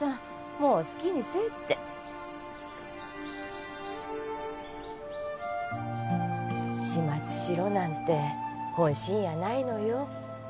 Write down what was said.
もう好きにせえって始末しろなんて本心やないのよ